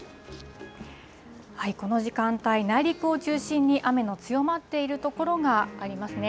この時間帯、内陸を中心に雨の強まっている所がありますね。